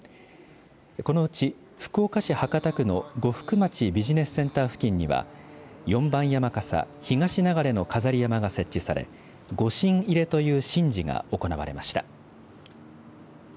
このうち福岡市博多区の呉服町ビジネスセンター付近には４番山笠東流の飾り山笠が設置されご神入れという神事が行われました。